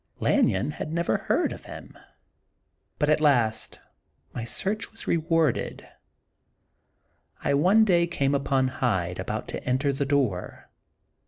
Lanyon had never heard of him. But at lO The Untold Sequel of last my search was rewarded. I one day came upon Hyde about to enter the door.